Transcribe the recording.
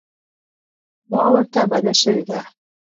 خوا ورته بده شوې ده.